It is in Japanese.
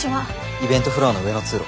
イベントフロアの上の通路。